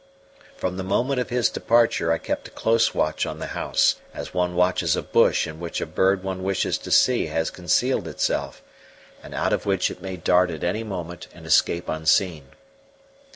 From the moment of his departure I kept a close watch on the house, as one watches a bush in which a bird one wishes to see has concealed itself, and out of which it may dart at any moment and escape unseen.